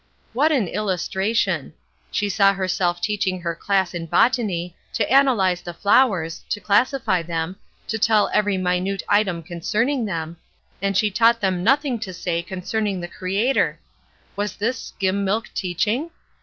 What an illustration! She saw herself teaching her class in botany to analyze the flowers, to classify them, to tell every minute item concerning them, and she taught them nothing to say concerning the Creator. Was this "skim milk" teaching?